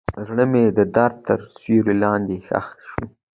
زړه مې د درد تر سیوري لاندې ښخ شو.